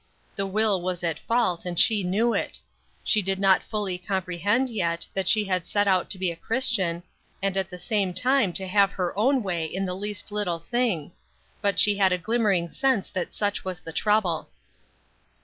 The will was at fault, and she knew it. She did not fully comprehend yet that she had set out to be a Christian, and at the same time to have her own way in the least little thing; but she had a glimmering sense that such was the trouble.